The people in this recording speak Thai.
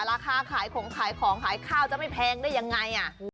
ราคาขายของขายของขายข้าวจะไม่แพงได้ยังไง